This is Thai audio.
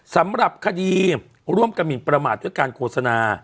สำหรับคดีร่วมกระหมินประมาทด้วยการโฆษณา